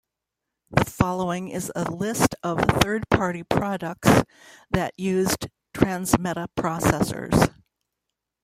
The following is a list of third-party products that used Transmeta processors.